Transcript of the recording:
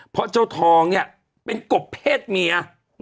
เพราะเจ้าทองเนี่ยเป็นกบเพศเมีย